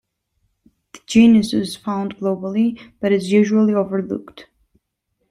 The genus is found globally, but is usually overlooked.